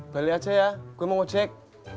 balik aja ya gue mau ngejek